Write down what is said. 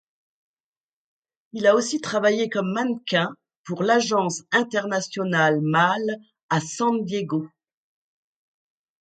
Il a aussi travaillé comme mannequin pour l'agence International Male à San Diego.